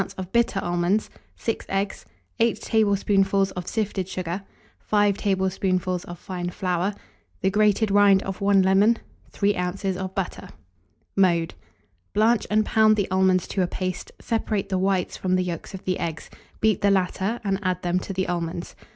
of bitter almonds, 6 eggs, 8 tablespoonfuls of sifted sugar, 5 tablespoonfuls of fine flour, the grated rind of 1 lemon, 3 oz. of butter. Mode. Blanch and pound the almonds to a paste; separate the whites from the yolks of the eggs; beat the latter, and add them to the almonds.